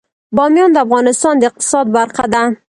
بامیان د افغانستان د اقتصاد برخه ده.